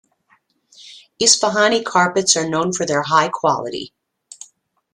Isfahani carpets are known for their high quality.